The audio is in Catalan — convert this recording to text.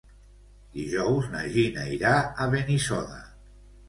Dijous na Gina irà a Benissoda.